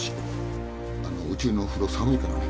あのうちの風呂寒いからね。